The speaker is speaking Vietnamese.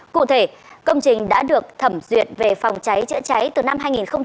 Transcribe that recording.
cụ thể công trình đã được thẩm duyệt về phòng cháy chữa cháy từ năm hai nghìn một mươi